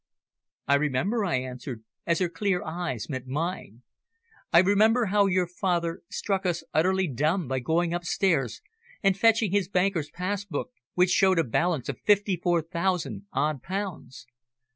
"I remember," I answered, as her clear eyes met mine. "I remember how your father struck us utterly dumb by going upstairs and fetching his banker's pass book, which showed a balance of fifty four thousand odd pounds.